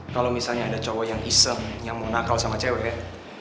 kalau misalnya ada cowok yang iseng yang mau nakal sama cewek ya